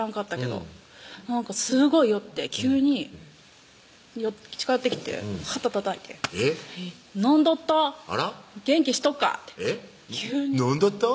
なんかすごい酔って急に近寄ってきて肩たたいて「飲んどっと？元気しとうか？」って「飲んどっと？」